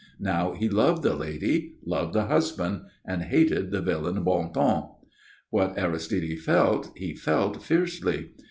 Now he loved the lady, loved the husband, and hated the villain Bondon. What Aristide felt, he felt fiercely.